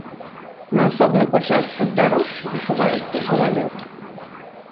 На асобных участках дарог захаваецца галалёд.